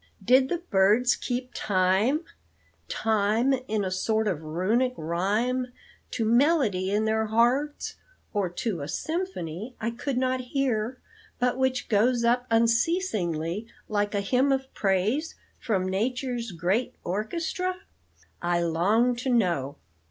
"Did the birds keep 'time time, in a sort of runic rhyme' to melody in their hearts, or to a symphony, I could not hear, but which goes up unceasingly like a hymn of praise from nature's great orchestra? I longed to know.